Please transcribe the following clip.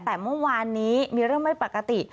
แต่เมื่อวานนี้มีเรื่องไม่ปกติ